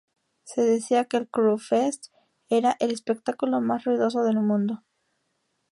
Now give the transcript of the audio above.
Se decía que el "Crüe Fest" era "el espectáculo más ruidoso del mundo".